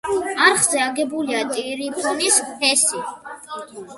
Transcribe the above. არხზე აგებულია ტირიფონის ჰესი.